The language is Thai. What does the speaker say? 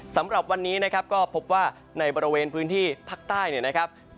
สำหรับวันนี้นะครับก็พบว่าในบริเวณพื้นที่ภาคใต้เนี่ยนะครับ